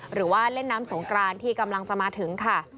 หรือว่าเล่นน้ำสงกรานที่กำลังจะมาถึงค่ะ